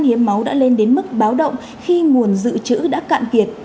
hiến máu đã lên đến mức báo động khi nguồn dự trữ đã cạn kiệt